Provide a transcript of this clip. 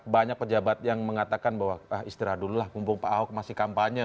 banyak pejabat yang mengatakan bahwa istirahat dulu lah mumpung pak ahok masih kampanye